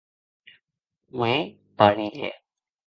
Qu'ei parièr.